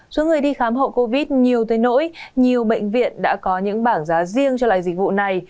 số người đi khám hậu covid nhiều tới nỗi nhiều bệnh viện đã có những bảng giá riêng cho loại dịch vụ này